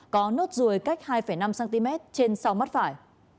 có nốt ruồi cách hai năm cm trên sau mắt phải